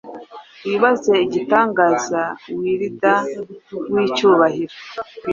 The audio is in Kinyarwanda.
Wibaze igitangazaWielder wicyubahiro